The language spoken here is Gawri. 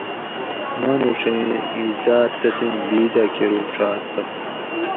مانوڄیں عزات تسیں بِید دہ کروڛات تہ